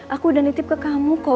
aku udah nitip ke kamu kok